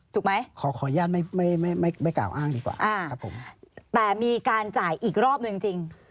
ถูกไหมขอขออนุญาตไม่ไม่ไม่กล่าวอ้างดีกว่าครับผมแต่มีการจ่ายอีกรอบหนึ่งจริง